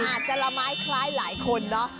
อาจจะละไม้คล้ายหลายคนเนอะ